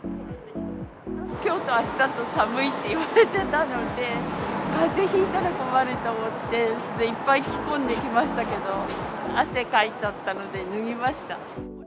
きょうとあしたと寒いって言われてたので、かぜひいたら困ると思って、それでいっぱい着込んできましたけど、汗かいちゃったので脱ぎま